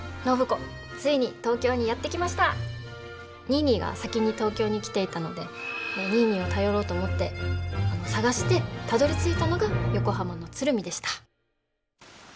ニーニーが先に東京に来ていたのでニーニーを頼ろうと思って捜してたどりついたのが横浜の鶴見でした。